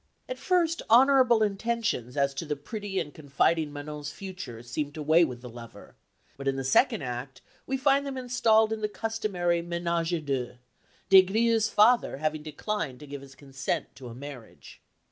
At first honourable intentions as to the pretty and confiding Manon's future seem to weigh with the lover, but in the second act we find them installed in the customary ménage à deux, Des Grieux's father having declined to give his consent to a marriage.